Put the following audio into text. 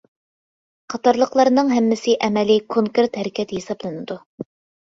قاتارلىقلارنىڭ ھەممىسى ئەمەلىي، كونكرېت ھەرىكەت ھېسابلىنىدۇ.